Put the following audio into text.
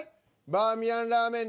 バーミヤンラーメン